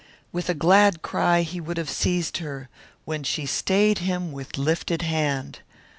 With a glad cry he would have seized her, when she stayed him with lifted hand.